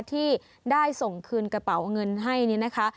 ที่ได้ส่งคืนกระเป๋าเงินให้นี่นะคะ